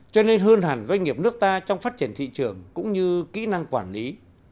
cho nên hơn hẳn doanh nghiệp nước ta trong phát triển thị trường cũng như kỹ năng quản lý